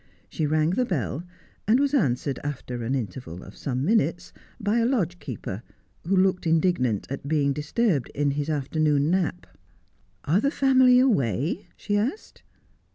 She rang the bell, and was answered, after an interval of some minutes, by a lodge keeper, who looked indignant at being disturbed in his afternoon nap. ' Are the family away ?' she asked.